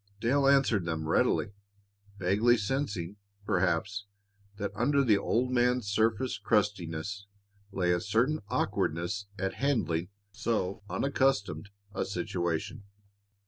Dale answered them readily, vaguely sensing, perhaps, that under the old man's surface crustiness lay a certain awkwardness at handling so unaccustomed a situation.